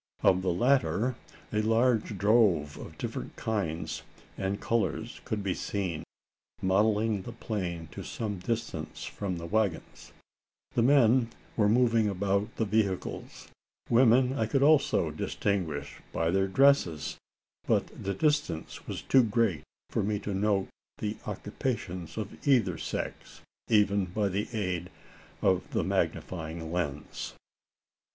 Of the latter, a large drove of different kinds and colours could be seen, mottling the plain to some distance from the waggons. The men were moving about the vehicles. Women I could also distinguish by their dresses; but the distance was too great for me to note the occupations of either sex even by the aid of the magnifying lens.